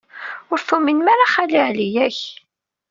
Ur tuminem ara Xali Ɛli, yak?